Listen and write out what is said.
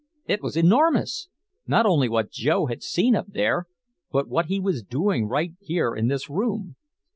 It was enormous, not only what Joe had seen up there, but what he was doing right here in this room.